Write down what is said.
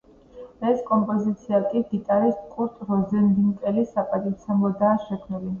ეს კომპოზიცია კი გიტარისტ კურტ როზენვინკელის საპატივცემლოდაა შექმნილი.